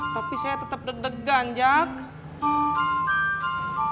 tapi saya tetep deg degan jack